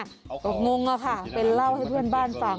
ก็งงอะค่ะเป็นเล่าให้เพื่อนบ้านฟัง